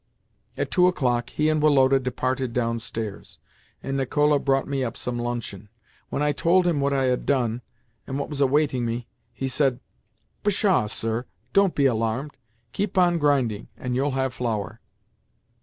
At two o'clock, he and Woloda departed downstairs, and Nicola brought me up some luncheon. When I told him what I had done and what was awaiting me he said: "Pshaw, sir! Don't be alarmed. 'Keep on grinding, and you'll have flour.